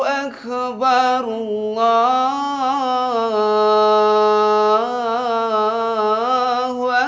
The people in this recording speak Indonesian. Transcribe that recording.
allahu akbar allah